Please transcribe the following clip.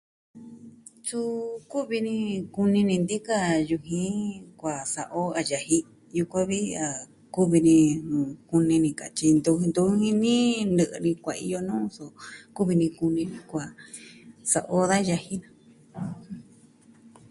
Suu, kuvi ni kuni ni nti'in ka yujin kua sa'a o a yaji. Yukuan vi a kuvi ni, mm, kuni ni katyi ntu, ntu jini ni nɨ'ɨ kuaiyo nuu so kuvi ni kuni ni kua sa'a o da yaji daja.